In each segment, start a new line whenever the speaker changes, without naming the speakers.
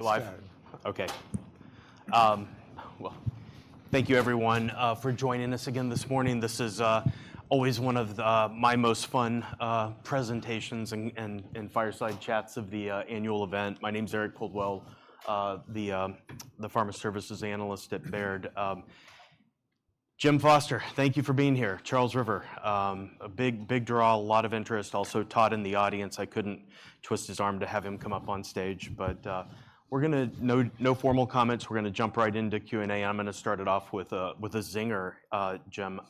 Well, hi. Okay. Well, thank you everyone for joining us again this morning. This is always one of the my most fun presentations and fireside chats of the annual event. My name's Eric Coldwell, the Pharma Services Analyst at Baird. Jim Foster, thank you for being here. Charles River, a big, big draw, a lot of interest. Also Todd in the audience, I couldn't twist his arm to have him come up on stage, but we're gonna... no, no formal comments, we're gonna jump right into Q&A, and I'm gonna start it off with a zinger. Jim,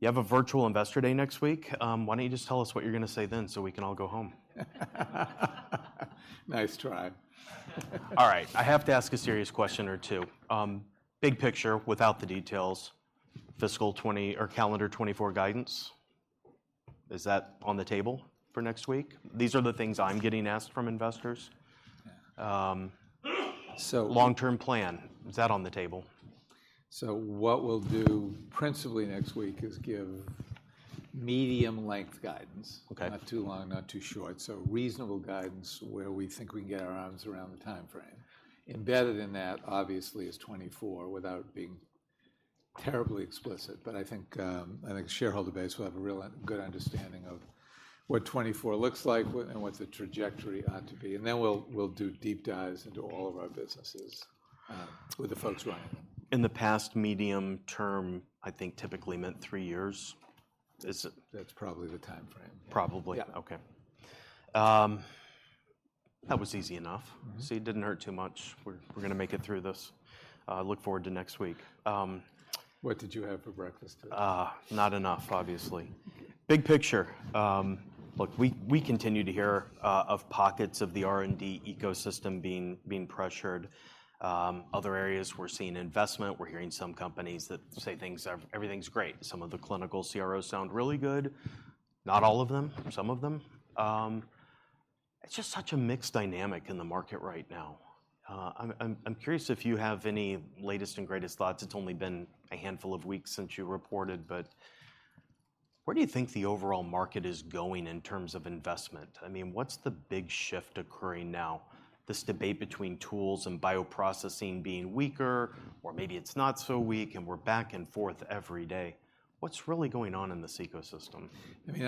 you have a virtual investor day next week. Why don't you just tell us what you're gonna say then, so we can all go home?
Nice try.
All right, I have to ask a serious question or two. Big picture, without the details, fiscal 2020 or calendar 2024 guidance, is that on the table for next week? These are the things I'm getting asked from investors.
Um, so-
Long-term plan, is that on the table?
What we'll do principally next week is give medium length guidance.
Okay.
Not too long, not too short. So reasonable guidance where we think we can get our arms around the timeframe. Embedded in that, obviously, is 2024, without being terribly explicit, but I think, I think the shareholder base will have a real good understanding of what 2024 looks like and what the trajectory ought to be. And then we'll, we'll do deep dives into all of our businesses, with the folks running it.
In the past, medium term, I think, typically meant three years. Is it?
That's probably the timeframe.
Probably?
Yeah.
Okay. That was easy enough.
Mm-hmm.
See, it didn't hurt too much. We're gonna make it through this. Look forward to next week.
What did you have for breakfast today?
Not enough, obviously. Big picture, look, we continue to hear of pockets of the R&D ecosystem being pressured. Other areas, we're seeing investment, we're hearing some companies that say things are, everything's great. Some of the clinical CROs sound really good. Not all of them, some of them. It's just such a mixed dynamic in the market right now. I'm curious if you have any latest and greatest thoughts. It's only been a handful of weeks since you reported, but where do you think the overall market is going in terms of investment? I mean, what's the big shift occurring now? This debate between tools and bioprocessing being weaker, or maybe it's not so weak, and we're back and forth every day. What's really going on in this ecosystem?
I mean,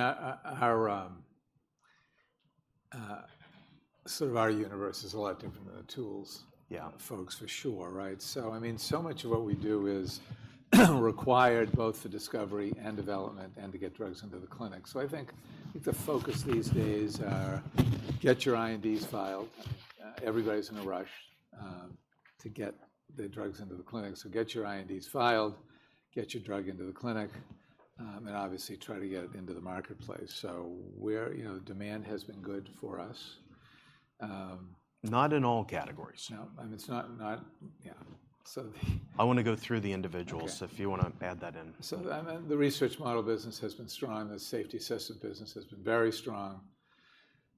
sort of our universe is a lot different than the tools-
Yeah
Folks for sure, right? So, I mean, so much of what we do is required both for discovery and development and to get drugs into the clinic. So I think, I think the focus these days are get your INDs filed. Everybody's in a rush to get the drugs into the clinic, so get your INDs filed, get your drug into the clinic, and obviously, try to get it into the marketplace. So we're, you know, demand has been good for us,
Not in all categories.
No, I mean, it's not... Yeah. So.
I want to go through the individuals-
Okay...
so if you wanna add that in.
So, I mean, the research model business has been strong. The safety assessment business has been very strong.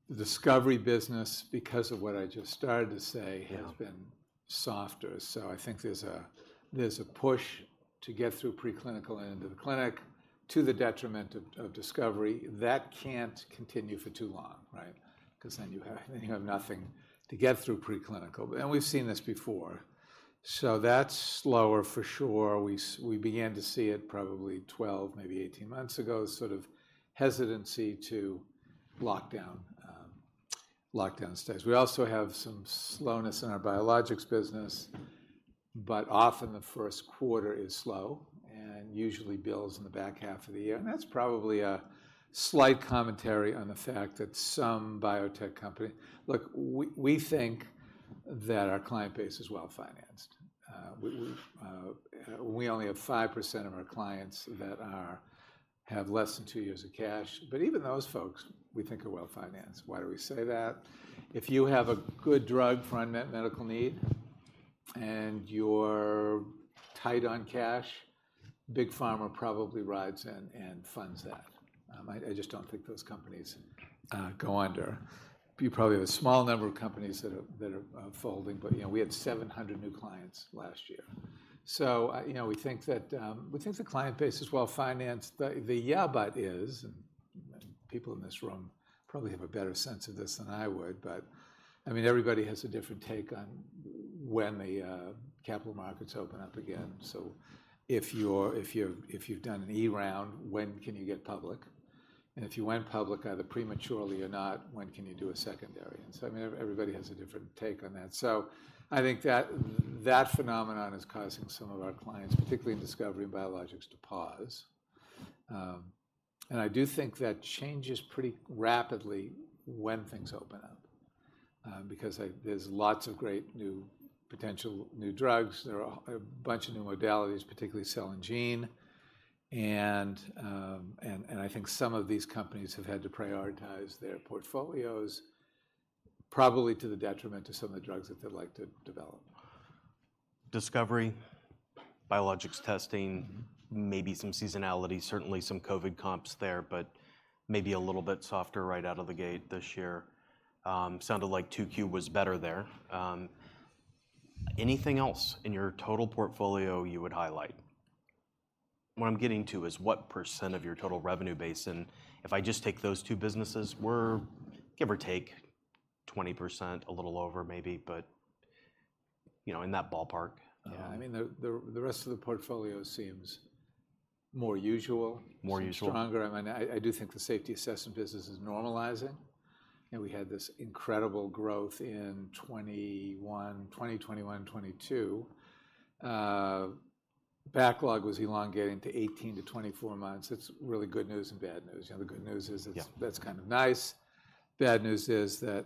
The discovery business, because of what I just started to say-
Yeah...
has been softer. So I think there's a push to get through preclinical and into the clinic, to the detriment of discovery. That can't continue for too long, right? 'Cause then you have nothing to get through preclinical. But we've seen this before, so that's slower for sure. We began to see it probably 12, maybe 18 months ago, sort of hesitancy to lock down studies. We also have some slowness in our biologics business, but often the first quarter is slow and usually bills in the back half of the year. And that's probably a slight commentary on the fact that some biotech company... Look, we think that our client base is well-financed. We only have 5% of our clients that have less than two years of cash, but even those folks we think are well-financed. Why do we say that? If you have a good drug for unmet medical need and you're tight on cash, Big Pharma probably rides in and funds that. I just don't think those companies go under. You probably have a small number of companies that are folding, but you know, we had 700 new clients last year. So, you know, we think the client base is well-financed. Yeah, but people in this room probably have a better sense of this than I would, but I mean, everybody has a different take on when the capital markets open up again. So if you've done an E round, when can you get public? And if you went public, either prematurely or not, when can you do a secondary? And so, I mean, everybody has a different take on that. So I think that phenomenon is causing some of our clients, particularly in discovery and biologics, to pause. And I do think that changes pretty rapidly when things open up, because, like, there's lots of great new potential, new drugs. There are a bunch of new modalities, particularly cell and gene, and, and I think some of these companies have had to prioritize their portfolios, probably to the detriment of some of the drugs that they'd like to develop.
Discovery, biologics testing, maybe some seasonality, certainly some COVID comps there, but maybe a little bit softer right out of the gate this year. Sounded like 2Q was better there. Anything else in your total portfolio you would highlight? What I'm getting to is what percent of your total revenue base, and if I just take those two businesses, we're give or take 20%, a little over maybe, but, you know, in that ballpark.
Yeah, I mean, the rest of the portfolio seems more usual-
More usual.
Seems stronger. I mean, I do think the safety assessment business is normalizing, and we had this incredible growth in 2021 and 2022. Backlog was elongating to 18-24 months. That's really good news and bad news. You know, the good news is it's-
Yeah...
that's kind of nice. Bad news is that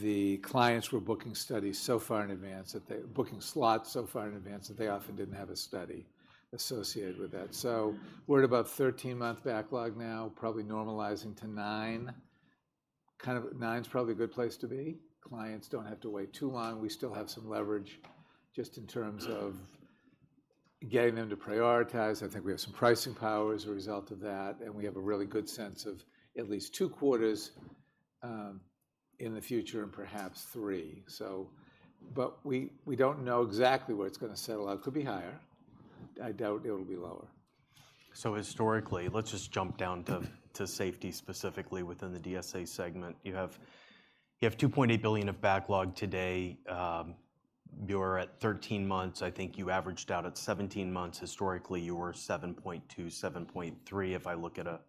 the clients were booking studies so far in advance, that they were booking slots so far in advance that they often didn't have a study associated with that. So we're at about 13-month backlog now, probably normalizing to 9. Kind of 9's probably a good place to be. Clients don't have to wait too long. We still have some leverage just in terms of getting them to prioritize. I think we have some pricing power as a result of that, and we have a really good sense of at least 2 quarters in the future and perhaps 3. So. But we don't know exactly where it's gonna settle out. Could be higher. I doubt it'll be lower.
Historically, let's just jump down to safety, specifically within the DSA segment. You have $2.8 billion of backlog today. You're at 13 months. I think you averaged out at 17 months. Historically, you were 7.2-7.3, if I look at a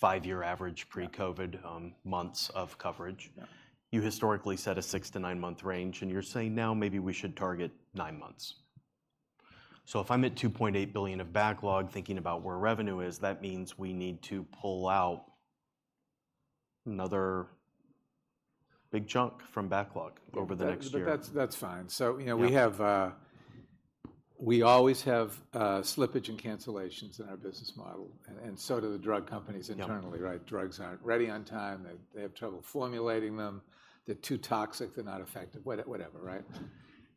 5-year average-
Yeah...
pre-COVID, months of coverage.
Yeah.
You historically set a 6-9-month range, and you're saying now maybe we should target 9 months. So if I'm at $2.8 billion of backlog, thinking about where revenue is, that means we need to pull out another big chunk from backlog over the next year.
That's fine. So, you know-
Yeah...
we have, we always have, slippage and cancellations in our business model, and, and so do the drug companies internally, right?
Yeah.
Drugs aren't ready on time. They, they have trouble formulating them. They're too toxic, they're not effective, what- whatever, right?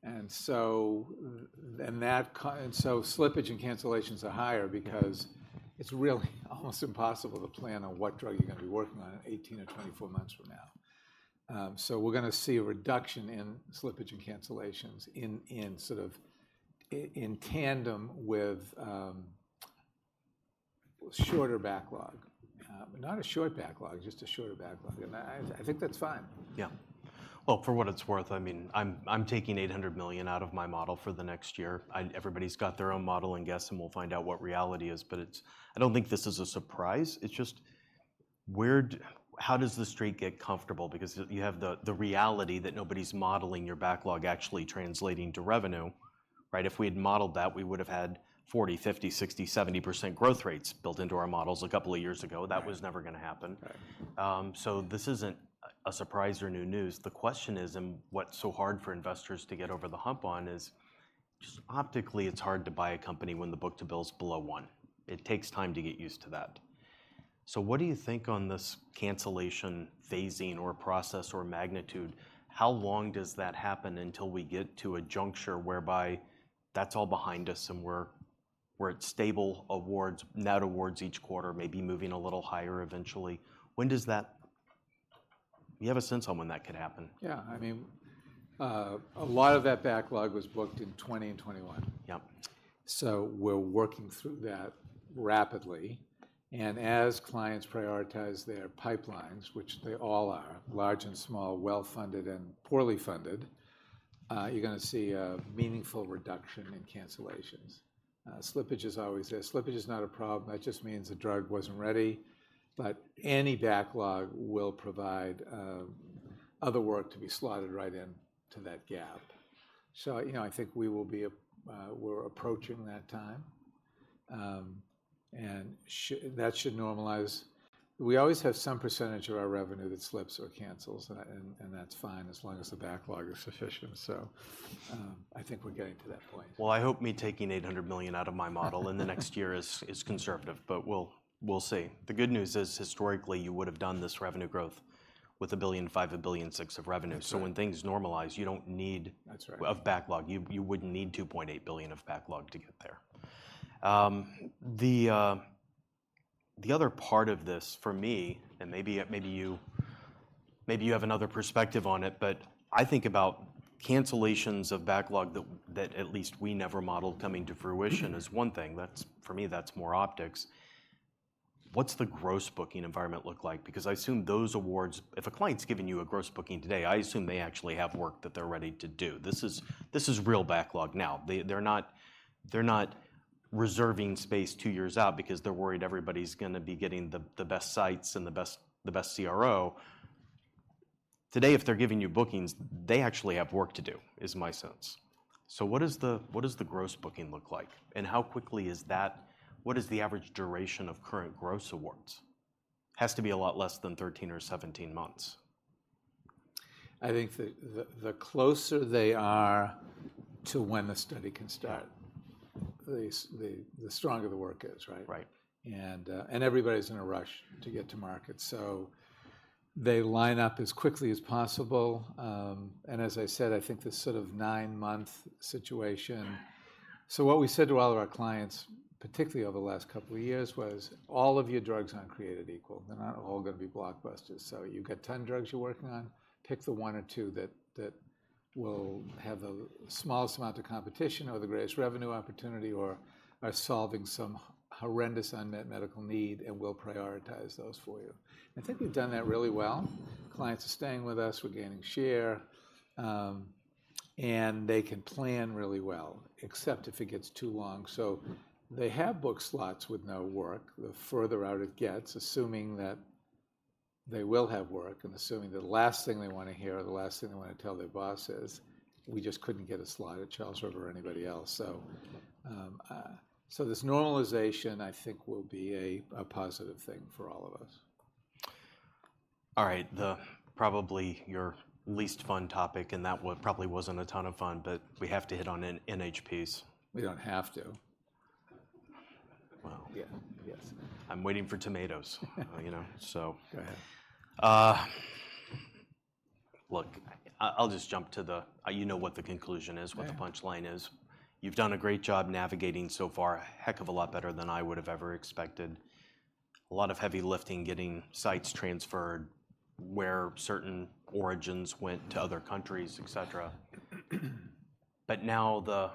And so slippage and cancellations are higher because it's really almost impossible to plan on what drug you're gonna be working on 18 or 24 months from now. So we're gonna see a reduction in slippage and cancellations in sort of in tandem with shorter backlog. But not a short backlog, just a shorter backlog, and I think that's fine.
Yeah. Well, for what it's worth, I mean, I'm taking $800 million out of my model for the next year. Everybody's got their own model and guess, and we'll find out what reality is, but it's. I don't think this is a surprise. It's just where, how does the street get comfortable? Because you have the reality that nobody's modeling your backlog actually translating to revenue, right? If we had modeled that, we would've had 40%, 50%, 60%, 70% growth rates built into our models a couple of years ago.
Right.
That was never gonna happen.
Right.
So this isn't a surprise or new news. The question is, and what's so hard for investors to get over the hump on, is just optically, it's hard to buy a company when the book-to-bill's below one. It takes time to get used to that. So what do you think on this cancellation phasing or process or magnitude? How long does that happen until we get to a juncture whereby that's all behind us, and we're at stable awards, net awards each quarter, maybe moving a little higher eventually? When does that... Do you have a sense on when that could happen?
Yeah. I mean, a lot of that backlog was booked in 2020 and 2021.
Yep.
So we're working through that rapidly, and as clients prioritize their pipelines, which they all are, large and small, well-funded and poorly funded, you're gonna see a meaningful reduction in cancellations. Slippage is always there. Slippage is not a problem. That just means the drug wasn't ready, but any backlog will provide other work to be slotted right into that gap. So, you know, I think we will be, we're approaching that time, and that should normalize. We always have some percentage of our revenue that slips or cancels, and that's fine as long as the backlog is sufficient. So, I think we're getting to that point.
Well, I hope me taking $800 million out of my model... in the next year is, is conservative, but we'll, we'll see. The good news is, historically, you would have done this revenue growth with $1.5 billion, $1.6 billion of revenue.
That's right.
So when things normalize, you don't need-
That's right...
a backlog. You wouldn't need $2.8 billion of backlog to get there. The other part of this for me, and maybe you have another perspective on it, but I think about cancellations of backlog that at least we never modeled coming to fruition-
Mm-hmm...
is one thing. That's, for me, that's more optics. What's the gross booking environment look like? Because I assume those awards, if a client's giving you a gross booking today, I assume they actually have work that they're ready to do. This is, this is real backlog now. They, they're not, they're not reserving space 2 years out because they're worried everybody's gonna be getting the, the best sites and the best, the best CRO. Today, if they're giving you bookings, they actually have work to do, is my sense. So what is the, what does the gross booking look like, and how quickly is that- What is the average duration of current gross awards? Has to be a lot less than 13 or 17 months.
I think the closer they are to when the study can start, the stronger the work is, right?
Right.
Everybody's in a rush to get to market. So they line up as quickly as possible, and as I said, I think this sort of nine-month situation. So what we said to all of our clients, particularly over the last couple of years, was, "All of your drugs aren't created equal. They're not all gonna be blockbusters. So you've got 10 drugs you're working on, pick the one or two that will have the smallest amount of competition or the greatest revenue opportunity, or are solving some horrendous unmet medical need, and we'll prioritize those for you." I think we've done that really well. Clients are staying with us, we're gaining share, and they can plan really well, except if it gets too long. So they have book slots with no work, the further out it gets, assuming that they will have work, and assuming the last thing they want to hear or the last thing they want to tell their boss is, "We just couldn't get a slot at Charles River or anybody else." So this normalization I think will be a positive thing for all of us.
All right, that's probably your least fun topic, and that one probably wasn't a ton of fun, but we have to hit on NHPs.
We don't have to.
Well...
Yeah. Yes.
I'm waiting for tomatoes, you know? So-
Go ahead.
Look, I, I'll just jump to the... you know what the conclusion is-
Yeah...
what the punchline is. You've done a great job navigating so far, a heck of a lot better than I would have ever expected. A lot of heavy lifting, getting sites transferred, where certain origins went to other countries, et cetera. But now the,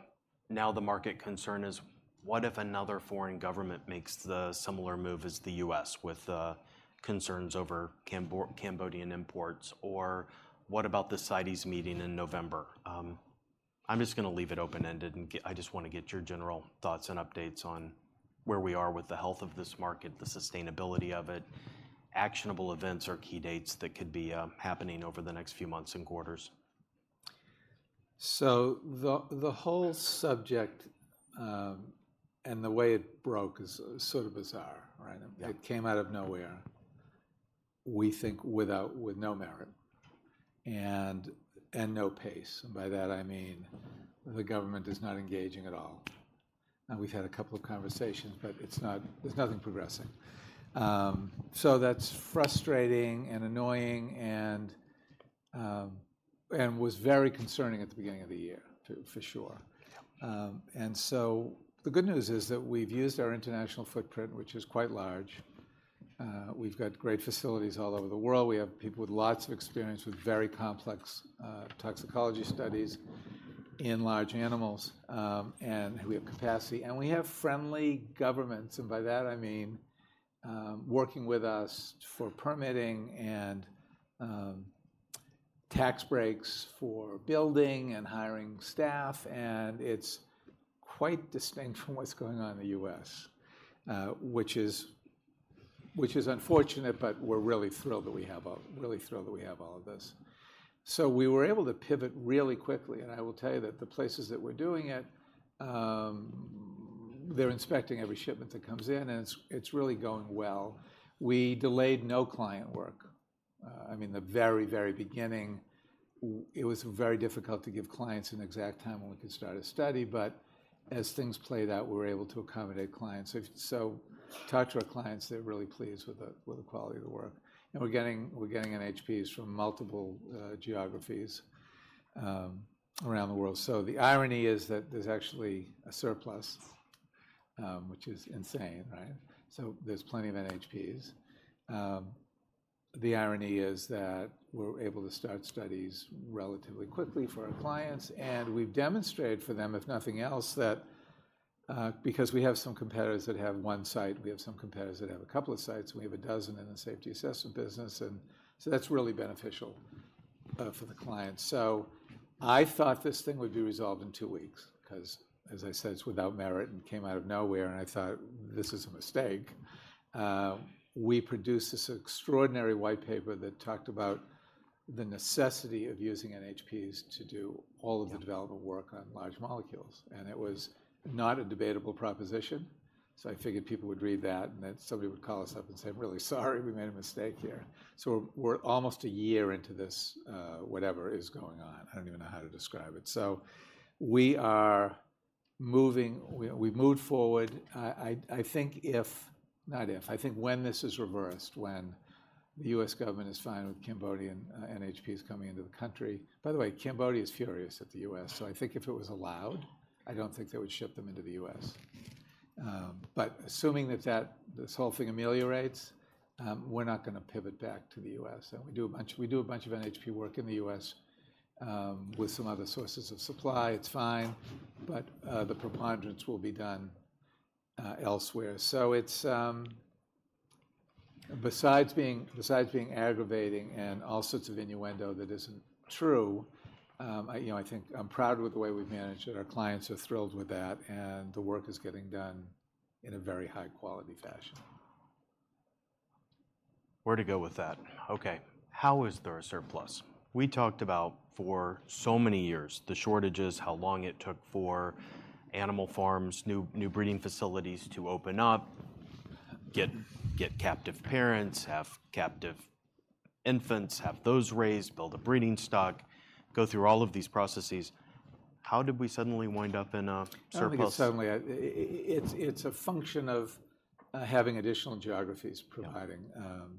now the market concern is, what if another foreign government makes the similar move as the U.S., with, concerns over Cambodian imports? Or what about the CITES meeting in November? I'm just gonna leave it open-ended and I just want to get your general thoughts and updates on where we are with the health of this market, the sustainability of it, actionable events or key dates that could be, happening over the next few months and quarters.
So the whole subject and the way it broke is sort of bizarre, right?
Yeah.
It came out of nowhere, we think, without merit and no pace. By that, I mean, the government is not engaging at all. We've had a couple of conversations, but it's not. There's nothing progressing. So that's frustrating, and annoying, and was very concerning at the beginning of the year, too, for sure. So the good news is that we've used our international footprint, which is quite large. We've got great facilities all over the world. We have people with lots of experience with very complex toxicology studies in large animals, and we have capacity. We have friendly governments, and by that I mean, working with us for permitting and tax breaks for building and hiring staff, and it's quite distinct from what's going on in the U.S. Which is unfortunate, but we're really thrilled that we have all of this. So we were able to pivot really quickly, and I will tell you that the places that we're doing it, they're inspecting every shipment that comes in, and it's really going well. We delayed no client work. I mean, the very beginning, it was very difficult to give clients an exact time when we could start a study, but as things played out, we were able to accommodate clients. So, talked to our clients, they're really pleased with the quality of the work. And we're getting NHPs from multiple geographies around the world. So the irony is that there's actually a surplus, which is insane, right? So there's plenty of NHPs. The irony is that we're able to start studies relatively quickly for our clients, and we've demonstrated for them, if nothing else, that, because we have some competitors that have one site, we have some competitors that have a couple of sites, and we have a dozen in the Safety Assessment business, and so that's really beneficial for the clients. So I thought this thing would be resolved in two weeks, 'cause as I said, it's without merit and came out of nowhere, and I thought, "This is a mistake." We produced this extraordinary white paper that talked about the necessity of using NHPs to do all of-
Yeah...
the development work on large molecules, and it was not a debatable proposition. So I figured people would read that, and then somebody would call us up and say, "We're really sorry, we made a mistake here." So we're almost a year into this, whatever is going on. I don't even know how to describe it. So we are moving... We, we've moved forward. I, I, I think if, not if, I think when this is reversed, when the U.S. government is fine with Cambodian, NHPs coming into the country... By the way, Cambodia is furious at the U.S., so I think if it was allowed, I don't think they would ship them into the U.S. But assuming that, that this whole thing ameliorates, we're not gonna pivot back to the U.S. We do a bunch, we do a bunch of NHP work in the U.S., with some other sources of supply. It's fine, but, the preponderance will be done, elsewhere. So it's, besides being, besides being aggravating and all sorts of innuendo that isn't true, I, you know, I think I'm proud with the way we've managed it. Our clients are thrilled with that, and the work is getting done in a very high-quality fashion.
Where to go with that? Okay, how is there a surplus? We talked about for so many years the shortages, how long it took for animal farms, new breeding facilities to open up, get captive parents, have captive infants, have those raised, build a breeding stock, go through all of these processes... how did we suddenly wind up in a surplus?
I don't think it's suddenly. It's a function of having additional geographies-
Yeah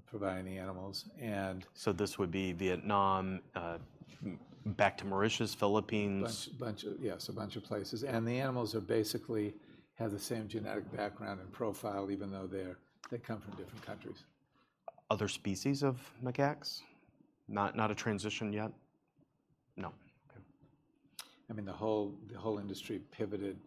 providing the animals. And-
So this would be Vietnam, back to Mauritius, Philippines.
Yes, a bunch of places. And the animals basically have the same genetic background and profile, even though they come from different countries.
Other species of macaques? Not, not a transition yet? No. Okay.
I mean, the whole industry pivoted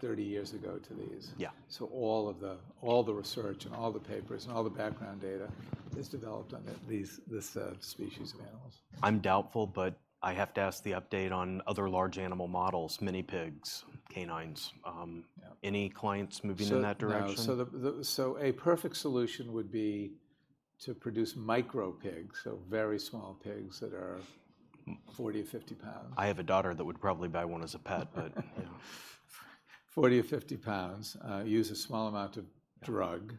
30 years ago to these.
Yeah.
So all of the, all the research, and all the papers, and all the background data is developed on these species of animals.
I'm doubtful, but I have to ask the update on other large animal models, minipigs, canines?
Yeah, any clients moving in that direction? No. A perfect solution would be to produce micropigs, so very small pigs that are 40 or 50 pounds.
I have a daughter that would probably buy one as a pet, but-
40 or 50 pounds, use a small amount of drug.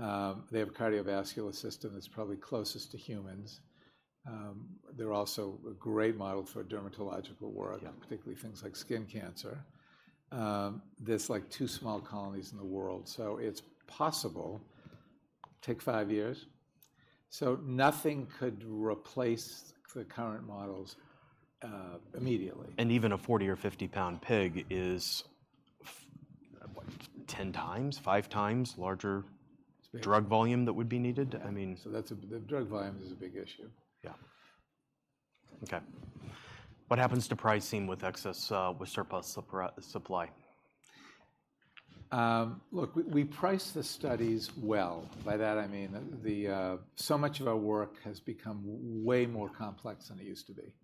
Yeah.
They have a cardiovascular system that's probably closest to humans. They're also a great model for dermatological work-
Yeah
particularly things like skin cancer. There's, like, two small colonies in the world. So it's possible. Take five years. So nothing could replace the current models, immediately.
Even a 40- or 50-pound pig is what, 10 times, 5 times larger-
It's big
drug volume that would be needed? I mean-
That's the drug volume is a big issue.
Yeah. Okay. What happens to pricing with excess, with surplus supply?
Look, we price the studies well. By that I mean, so much of our work has become way more complex than it used to be.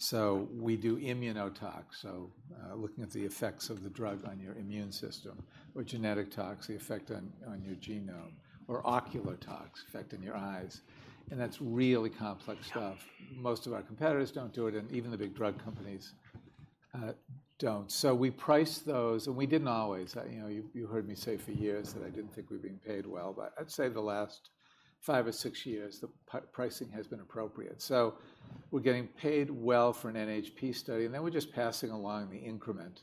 So we do Immunotox, so, looking at the effects of the drug on your immune system, or Genetic Tox, the effect on your genome, or Oculotox, effect on your eyes, and that's really complex stuff.
Yeah.
Most of our competitors don't do it, and even the big drug companies don't. So we price those, and we didn't always. You know, you heard me say for years that I didn't think we were being paid well, but I'd say the last five or six years, the pricing has been appropriate. So we're getting paid well for an NHP study, and then we're just passing along the increment,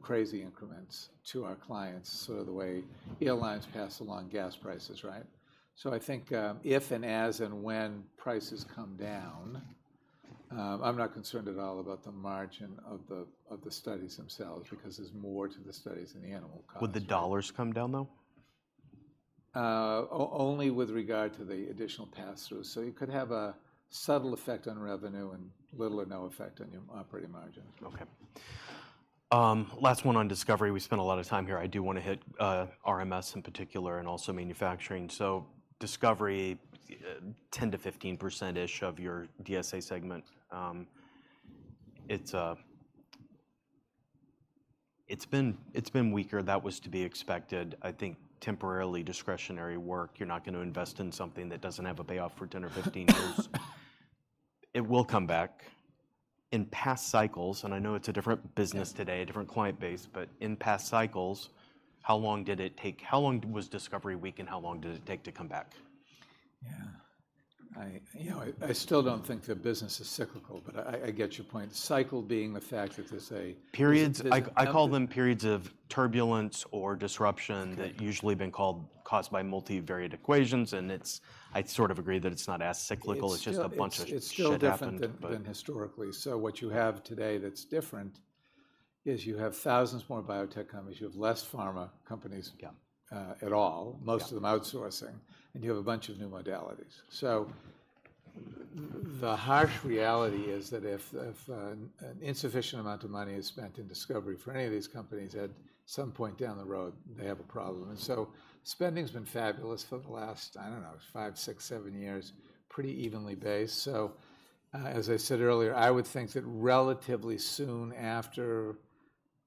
crazy increments to our clients, sort of the way airlines pass along gas prices, right? So I think, if, and as, and when prices come down, I'm not concerned at all about the margin of the studies themselves-
Sure...
because there's more to the studies than the animal cost.
Would the dollars come down, though?
Only with regard to the additional pass-through. So you could have a subtle effect on revenue and little or no effect on your operating margin.
Okay. Last one on discovery. We spent a lot of time here. I do want to hit, RMS in particular, and also manufacturing. So discovery, ten to fifteen percent-ish of your DSA segment. It's been weaker. That was to be expected. I think temporarily discretionary work, you're not going to invest in something that doesn't have a payoff for ten or fifteen years. It will come back. In past cycles, and I know it's a different business today-
Yeah
a different client base, but in past cycles, how long did it take? How long was discovery weak, and how long did it take to come back?
Yeah. I, you know, I still don't think the business is cyclical, but I get your point. Cycle being the fact that there's a-
Periods. I-
There's a business-
I call them periods of turbulence or disruption.
Okay
That usually been called, caused by multivariate equations, and it's. I sort of agree that it's not as cyclical-
It's still.
it's just a bunch of stuff happened, but-
It's still different than historically. So what you have today that's different is you have thousands more biotech companies, you have less pharma companies-
Yeah ...
at all.
Yeah.
Most of them outsourcing, and you have a bunch of new modalities. So the harsh reality is that if an insufficient amount of money is spent in discovery for any of these companies, at some point down the road, they have a problem. And so spending's been fabulous for the last, I don't know, 5, 6, 7 years, pretty evenly paced. So, as I said earlier, I would think that relatively soon after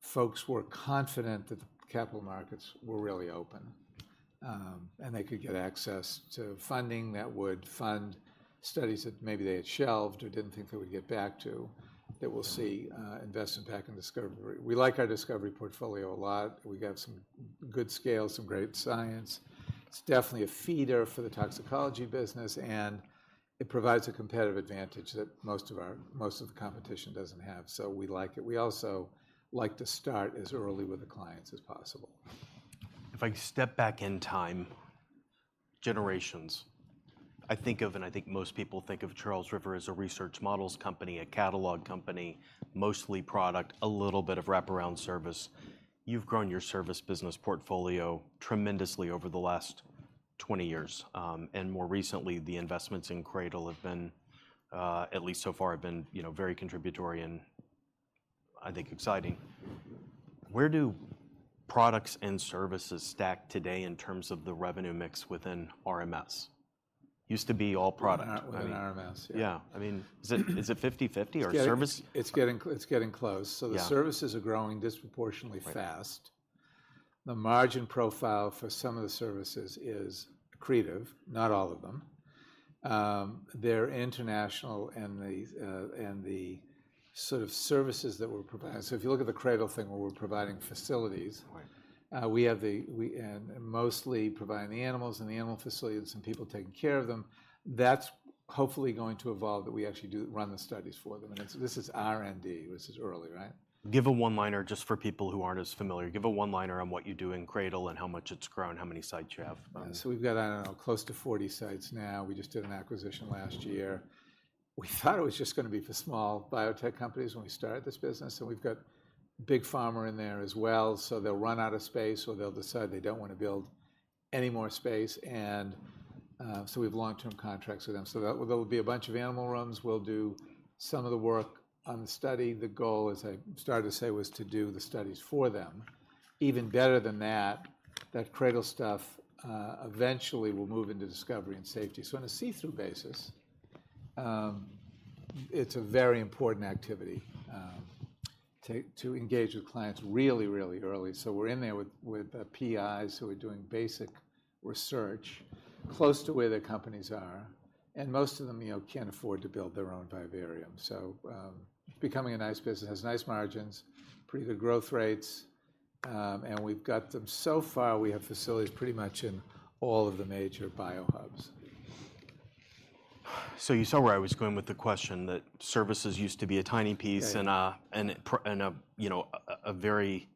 folks were confident that the capital markets were really open, and they could get access to funding that would fund studies that maybe they had shelved or didn't think they would get back to, that we'll see investment back in discovery. We like our discovery portfolio a lot. We've got some good scale, some great scienceIt's definitely a feeder for the toxicology business, and it provides a competitive advantage that most of the competition doesn't have. So we like it. We also like to start as early with the clients as possible. If I step back in time, generations, I think of, and I think most people think of Charles River as a research models company, a catalog company, mostly product, a little bit of wraparound service. You've grown your service business portfolio tremendously over the last 20 years. And more recently, the investments in CRADL have been, at least so far, have been, you know, very contributory and I think exciting. Where do products and services stack today in terms of the revenue mix within RMS? Used to be all product. Within RMS?
Yeah. I mean, is it, is it 50/50, or service-
It's getting close.
Yeah.
The services are growing disproportionately fast.
Right.
The margin profile for some of the services is accretive, not all of them. They're international, and the sort of services that we're providing... So if you look at the CRADL thing where we're providing facilities-
Right...
and mostly providing the animals and the animal facilities and people taking care of them. That's hopefully going to evolve, that we actually do run the studies for them. And it's, this is R&D, this is early, right?
Give a one-liner just for people who aren't as familiar. Give a one-liner on what you do in CRADL and how much it's grown, how many sites you have.
So we've got, I don't know, close to 40 sites now. We just did an acquisition last year. We thought it was just gonna be for small biotech companies when we started this business, and we've got big pharma in there as well. So they'll run out of space, or they'll decide they don't wanna build any more space, and so we have long-term contracts with them. So that there will be a bunch of animal rooms. We'll do some of the work on the study. The goal, as I started to say, was to do the studies for them. Even better than that, that CRADL stuff eventually will move into discovery and safety. So on a see-through basis, it's a very important activity, to engage with clients really, really early. So we're in there with PIs who are doing basic research close to where their companies are, and most of them, you know, can't afford to build their own vivarium. So, becoming a nice business, has nice margins, pretty good growth rates, and we've got them. So far, we have facilities pretty much in all of the major bio hubs.
So you saw where I was going with the question, that services used to be a tiny piece-
Right.
And a, you know, a very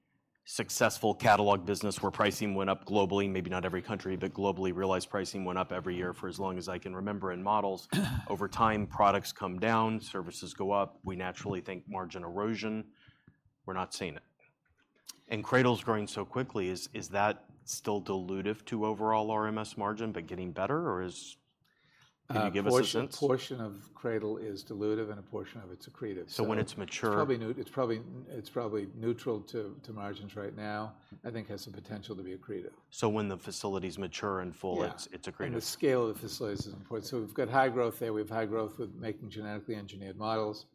successful catalog business where pricing went up globally, maybe not every country, but globally, realized pricing went up every year for as long as I can remember in models. Over time, products come down, services go up. We naturally think margin erosion. We're not seeing it. And CRADL's growing so quickly. Is that still dilutive to overall RMS margin, but getting better, or is... Can you give us a sense?
A portion of CRADL is dilutive, and a portion of it's accretive.
When it's mature-
It's probably neutral to margins right now. I think it has the potential to be accretive.
When the facilities mature in full-
Yeah...
it's, it's accretive.
The scale of the facilities is important. We've got high growth there. We have high growth with making genetically engineered models.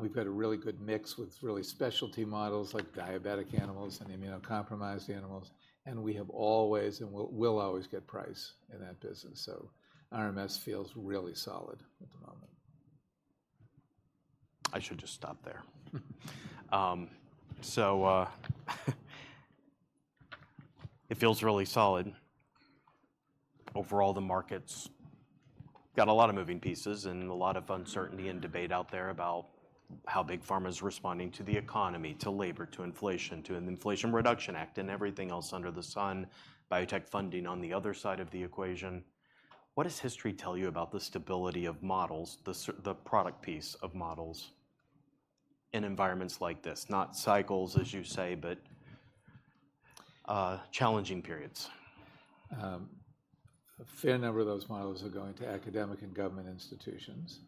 We've got a really good mix with really specialty models like diabetic animals and immunocompromised animals, and we have always and will always get price in that business, so RMS feels really solid at the moment.
I should just stop there. So, it feels really solid. Overall, the market's got a lot of moving pieces and a lot of uncertainty and debate out there about how big pharma is responding to the economy, to labor, to inflation, to an Inflation Reduction Act, and everything else under the sun, biotech funding on the other side of the equation. What does history tell you about the stability of models, the product piece of models in environments like this? Not cycles, as you say, but challenging periods.
A fair number of those models are going to academic and government institutions.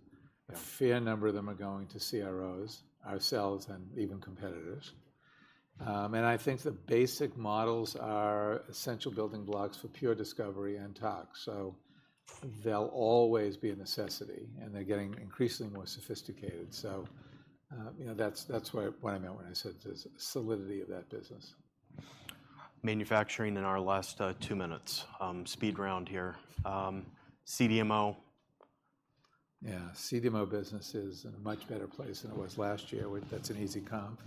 Yeah.
A fair number of them are going to CROs, ourselves and even competitors. I think the basic models are essential building blocks for pure discovery and tox, so they'll always be a necessity, and they're getting increasingly more sophisticated. You know, that's what I meant when I said there's a solidity of that business.
Manufacturing in our last two minutes. Speed round here. CDMO?
Yeah, CDMO business is in a much better place than it was last year. Well, that's an easy comp.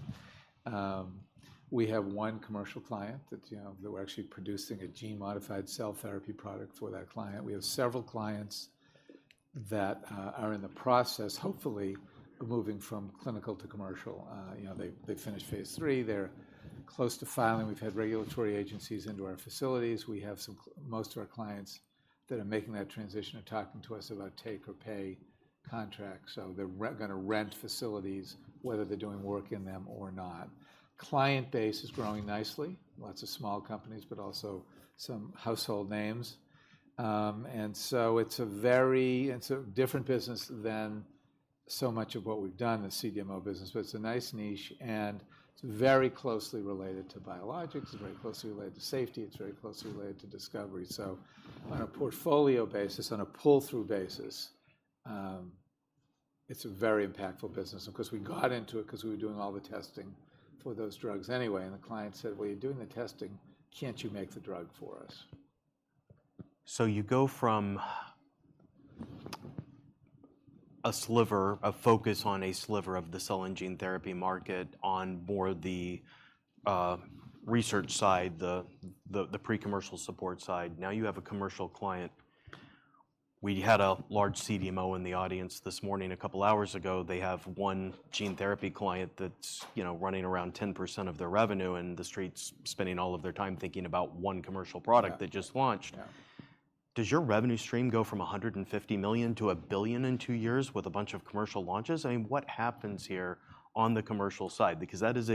We have one commercial client that, you know, that we're actually producing a gene-modified cell therapy product for that client. We have several clients that are in the process, hopefully, of moving from clinical to commercial. You know, they, they've finished phase three. They're close to filing. We've had regulatory agencies into our facilities. We have most of our clients that are making that transition are talking to us about take or pay contracts, so they're gonna rent facilities, whether they're doing work in them or not. Client base is growing nicely, lots of small companies, but also some household names. And so it's a very, it's a different business than so much of what we've done, the CDMO business, but it's a nice niche, and it's very closely related to biologics. It's very closely related to safety. It's very closely related to discovery. So on a portfolio basis, on a pull-through basis, it's a very impactful business. Of course, we got into it 'cause we were doing all the testing for those drugs anyway, and the client said, "Well, you're doing the testing. Can't you make the drug for us?
So you go from a sliver, a focus on a sliver of the cell and gene therapy market on more the research side, the pre-commercial support side. Now, you have a commercial client. We had a large CDMO in the audience this morning, a couple hours ago. They have one gene therapy client that's, you know, running around 10% of their revenue, and the street's spending all of their time thinking about one commercial product-
Yeah...
they just launched.
Yeah.
Does your revenue stream go from $150 million to $1 billion in 2 years with a bunch of commercial launches? I mean, what happens here on the commercial side? Because that is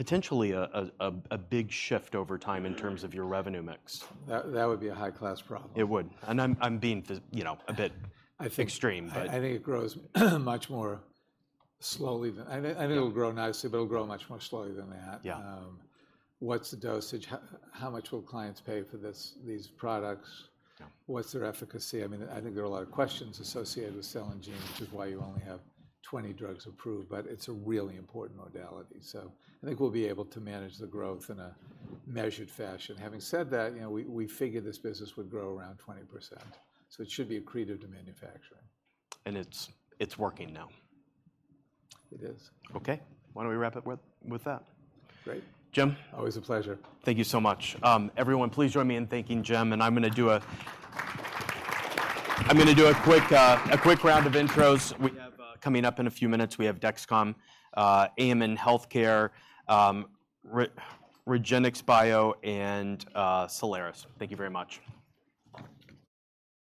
potentially a big shift over time in terms of your revenue mix.
That would be a high-class problem.
It would, and I'm being, you know, a bit-
I think-
-extreme, but-
I think it grows much more slowly than... I think
Yeah...
it'll grow nicely, but it'll grow much more slowly than that.
Yeah.
What's the dosage? How much will clients pay for this, these products?
Yeah.
What's their efficacy? I mean, I think there are a lot of questions associated with cell and gene, which is why you only have 20 drugs approved, but it's a really important modality. So I think we'll be able to manage the growth in a measured fashion. Having said that, you know, we figure this business would grow around 20%, so it should be accretive to manufacturing.
It's, it's working now?
It is.
Okay. Why don't we wrap it with, with that?
Great.
Jim?
Always a pleasure.
Thank you so much. Everyone, please join me in thanking Jim, and I'm gonna do a quick round of intros. We have, coming up in a few minutes, we have Dexcom, AMN Healthcare, REGENXBIO, and Sotera. Thank you very much.